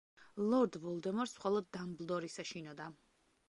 ლორდ ვოლდემორს მხოლოდ დამბლდორის ეშინოდა.